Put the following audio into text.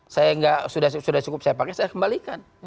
saya sudah cukup saya pakai saya kembalikan